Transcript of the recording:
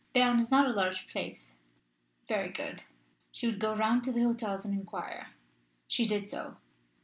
Berne is not a large place. Very good; she would go round to the hotels and inquire. She did so.